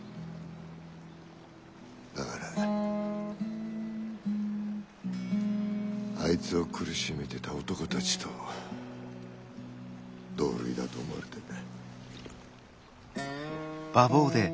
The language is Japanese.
だからあいつを苦しめてた男たちと同類だと思われてんだ。